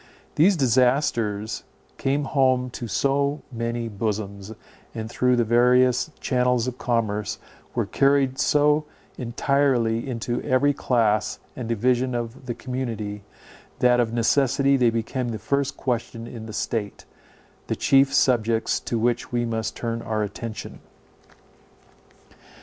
These disasters came home to so many bosoms, and, through the various channels of commerce, were carried so entirely into every class and division of the community, that of necessity they became the first question in the state, the chief subjects to which we must turn our attention.